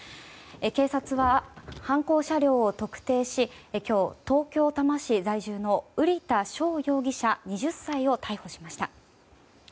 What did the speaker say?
警察は、犯行車両を特定し今日、東京・多摩市在住の瓜田翔容疑者、２０歳を逮捕しました。